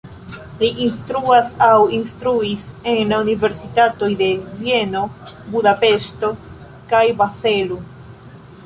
Li instruas aŭ instruis en universitatoj de Vieno, Budapeŝto kaj Bazelo.